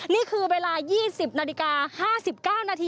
นี่คือเวลา๒๐น๕๙น